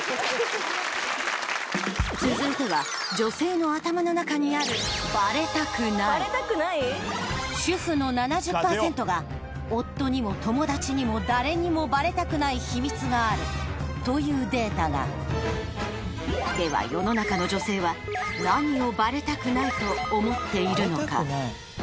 続いては女性の頭の中にある夫にも友達にも誰にもバレたくない秘密があるというデータがでは世の中の女性は何をバレたくないと思っているのか？